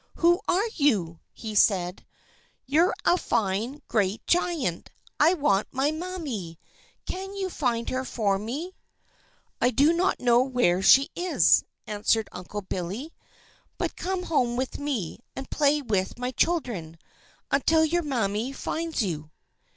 "Who are you?" he said. "You're a fine, great giant! I want my Mammy! Can you find her for me?" "I do not know where she is," answered Uncle Billy. "But come home with me, and play with my children, until your Mammy finds you."